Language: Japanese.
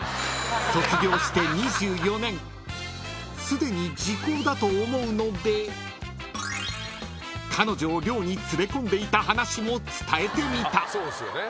［すでに時効だと思うので彼女を寮に連れ込んでいた話も伝えてみた］